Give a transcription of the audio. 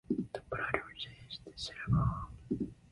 The product was changed to silicone.